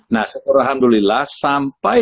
nah seberalhamdulillah sampai